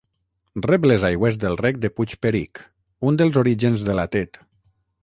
Rep les aigües del Rec de Puig Peric, un dels orígens de la Tet.